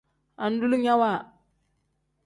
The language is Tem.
Andulinyawa.